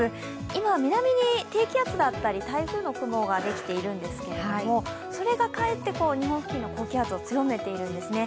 今、南に低気圧だったり台風の雲ができているんですが、それがかえって日本付近の高気圧を強めているんですね。